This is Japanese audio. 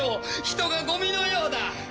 人がゴミのようだ！